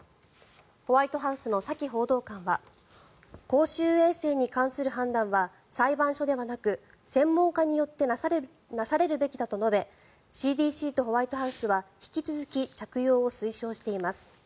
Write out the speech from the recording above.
ホワイトハウスのサキ報道官は公衆衛生に関する判断は裁判所ではなく、専門家によってなされるべきだと述べＣＤＣとホワイトハウスは引き続き着用を推奨しています。